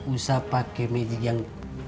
usah pake magic yang